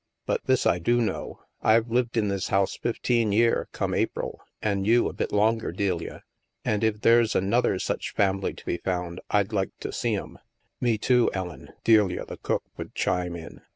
But this I do know: I've lived in this house fifteen year, come April, an' you a bit longer, Delia, an' if there's another such family to be found, I'd like to see 'em." " Me too, Ellen," Delia, the cook, would chime in.